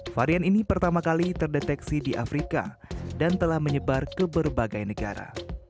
varian ini pertama kali terdeteksi di afrika dan telah menyebar ke berbagai negara